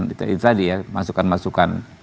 itu tadi ya masukan masukan